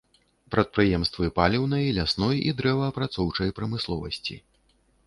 Прадпрыемствы паліўнай, лясной і дрэваапрацоўчай прамысловасці.